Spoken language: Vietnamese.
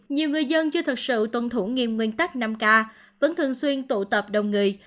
nhiều người dân chưa thật sự tuân thủ nghiêm nguyên tắc năm k vẫn thường xuyên tụ tập đông người